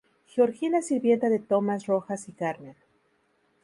Georgina Sirvienta de Tomas Rojas y Carmen.